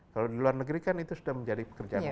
kalau di luar negeri kan itu sudah menjadi pekerjaan